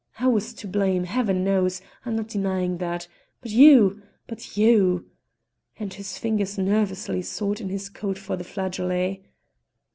"I was to blame, Heaven knows! I'm not denying that, but you but you " And his fingers nervously sought in his coat for the flageolet.